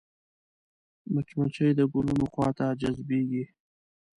مچمچۍ د ګلونو خوا ته جذبېږي